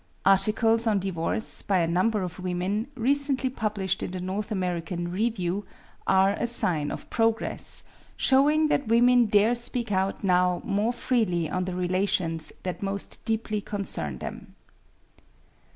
Articles on divorce, by a number of women, recently published in the North American Review, are a sign of progress, showing that women dare speak out now more freely on the relations that most deeply concern them.